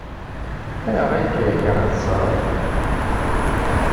Ayɣer ay k-yekṛeh zzheṛ?